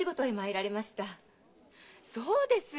そうです！